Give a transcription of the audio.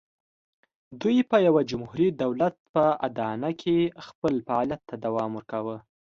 دوی په یوه جمهوري دولت په اډانه کې خپل فعالیت ته دوام ورکاوه.